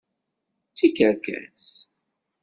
D tikerkas.